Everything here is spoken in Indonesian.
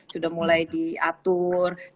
sudah mulai diatur